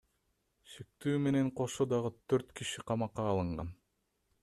Шектүү менен кошо дагы төрт киши камакка алынган.